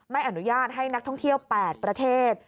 ไม่อนุญาตให้นักท่องเที่ยว๘ประเทศ